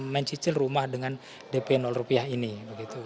mencicil rumah dengan dp rupiah ini begitu